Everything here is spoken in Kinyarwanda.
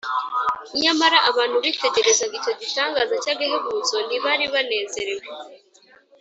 nyamara abantu bitegerezaga icyo gitangaza cy’agahebuzo ntibari banezerewe